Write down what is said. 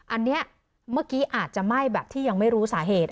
อันนี้เมื่อกี้อาจจะไหม้แบบที่ยังไม่รู้สาเหตุ